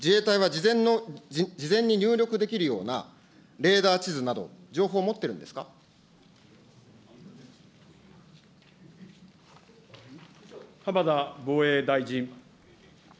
自衛隊は事前に入力できるようなレーダー地図など、情報を持って浜田防衛大臣。